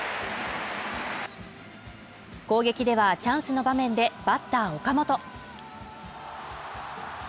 攻撃ではチャンスの場面でバッター岡本